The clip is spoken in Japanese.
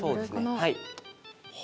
はい。